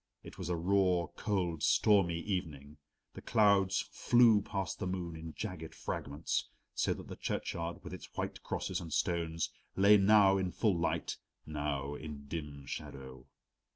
It was a raw, cold, stormy evening. The clouds flew past the moon in jagged fragments, so that the churchyard, with its white crosses and stones, lay now in full light, now in dim shadow.